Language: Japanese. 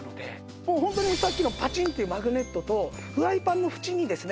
もうホントにさっきのパチンっていうマグネットとフライパンの縁にですね